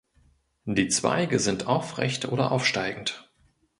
Die Zweige sind aufrecht oder aufsteigend.